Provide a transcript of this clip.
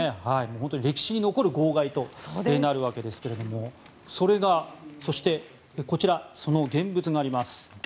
本当に歴史に残る号外となるわけですがそして、こちらその現物があります。